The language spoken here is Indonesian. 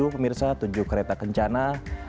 pemirsa tujuh kereta kencana